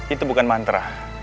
itu bukan mantra